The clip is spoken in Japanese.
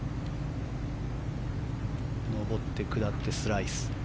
上って下ってスライス。